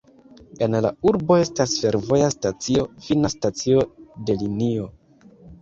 En la urbo estas fervoja stacio, fina stacio de linio.